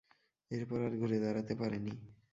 এরপর আর ঘুরে দাঁড়াতে পারেনি।